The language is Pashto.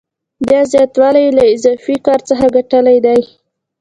دا زیاتوالی یې له اضافي کار څخه ګټلی دی